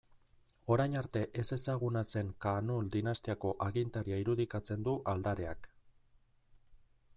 Orain arte ezezaguna zen Kaanul dinastiako agintaria irudikatzen du aldareak.